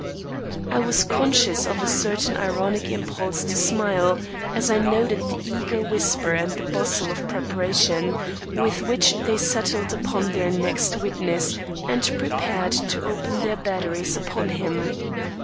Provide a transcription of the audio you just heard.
I was conscious of a certain ironic impulse to smile, as I noted the eager whisper and the bustle of preparation with which they settled upon their next witness and prepared to open their batteries upon him.